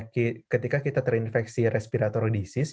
ketika kita terinfeksi respirator disease